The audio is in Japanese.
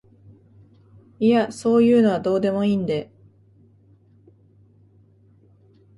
いやそういうのはどうでもいいんで